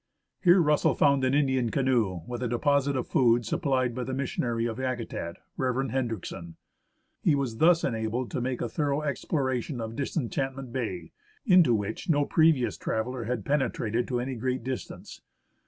Here Russell found an Indian canoe with a deposit of food supplied by the missionary of Yakutat, Rev, Hendriksen. He was thus enabled to make a thorough exploration of Disenchant ment Bay, into which no previous traveller had penetrated to any great distance.